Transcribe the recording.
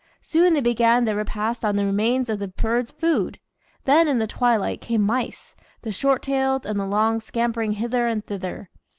Soon they began their repast on the remains of the birds' food. Then in the twilight came mice, the short tailed and the long, scampering hither and thither.